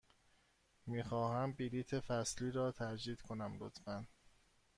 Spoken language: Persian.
می خواهم بلیط فصلی را تجدید کنم، لطفاً.